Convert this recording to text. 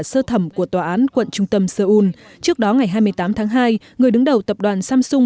sơ thẩm của tòa án quận trung tâm seoul trước đó ngày hai mươi tám tháng hai người đứng đầu tập đoàn samsung